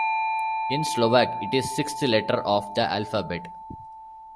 In Slovak it is sixth letter of the alphabet.